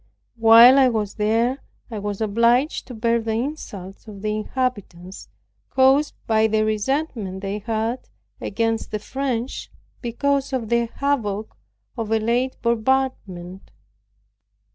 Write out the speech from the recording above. While I was there I was obliged to bear the insults of the inhabitants, caused by the resentment they had against the French because of the havoc of a late bombardment.